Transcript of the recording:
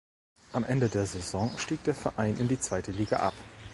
Am Ende der Saison stieg der Verein in die zweite Liga ab.